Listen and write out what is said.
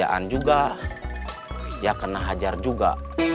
pekerjaan juga ya kena hajar juga